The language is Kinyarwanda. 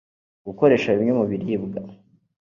Gukoresha bimwe mu biribwa